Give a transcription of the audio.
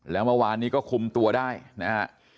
แล้วเมื่อวานนี้ก็คุมตัวได้นะฮะ